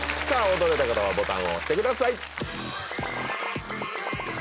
驚いた方はボタンを押してください！